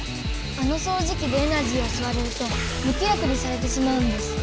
あのそうじきでエナジーをすわれるとむ気力にされてしまうんです。